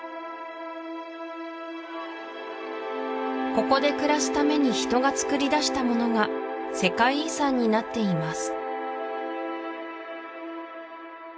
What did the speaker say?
ここで暮らすために人が作り出したものが世界遺産になっています